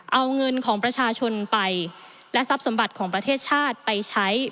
เอาเงินของประชาชนไปและทรัพย์สมบัติของประเทศชาติไปใช้